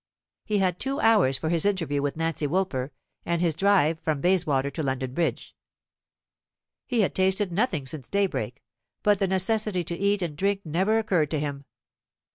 He had two hours for his interview with Nancy Woolper, and his drive from Bayswater to London Bridge. He had tasted nothing since daybreak; but the necessity to eat and drink never occurred to him.